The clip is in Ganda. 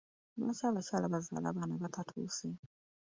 Lwaki abakyala bazaala abaana abatatuuse?